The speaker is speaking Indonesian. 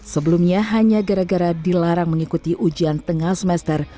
sebelumnya hanya gara gara dilarang mengikuti ujian tengah semester